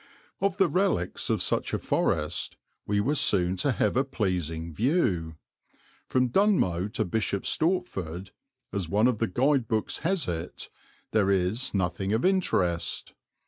Of the relics of such a forest we were soon to have a pleasing view. From Dunmow to Bishop Stortford, as one of the guide books has it, there is nothing of interest.